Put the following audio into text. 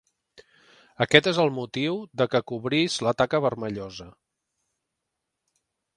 Aquest és el motiu de que cobrís la taca vermellosa.